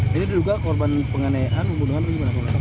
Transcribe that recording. jadi diduga korban penganiayaan pembunuhan atau gimana